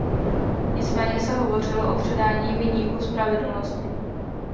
Nicméně se hovořilo o předání viníků spravedlnosti.